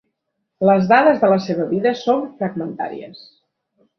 Les dades de la seva vida són fragmentàries.